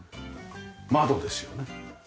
窓ですよね。